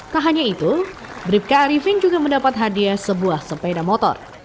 tak hanya itu bribka arifin juga mendapat hadiah sebuah sepeda motor